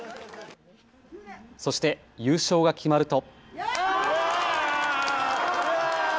そして優勝が決まると。